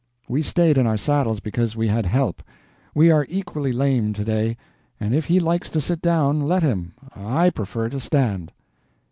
We stayed in our saddles because we had help. We are equally lame to day, and if he likes to sit down, let him; I prefer to stand."